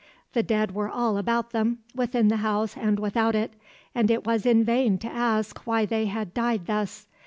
The dead were all about them, within the house and without it; and it was in vain to ask why they had died thus.